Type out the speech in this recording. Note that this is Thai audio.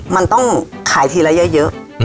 มันต้องขายทีละเยอะ